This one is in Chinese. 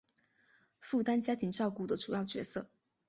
负担家庭照顾的主要角色